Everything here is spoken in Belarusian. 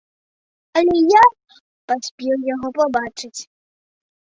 Але я паспеў яго пабачыць.